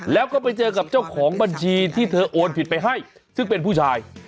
แล้วก็ไปเจอกับเจ้าของบัญชีที่เธอโอนผิดไปให้ซึ่งเป็นผู้ชาย